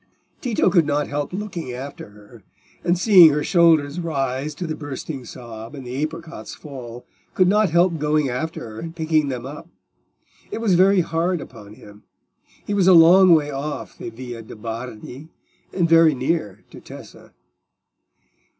Tito could not help looking after her, and seeing her shoulders rise to the bursting sob, and the apricots fall—could not help going after her and picking them up. It was very hard upon him: he was a long way off the Via de' Bardi, and very near to Tessa.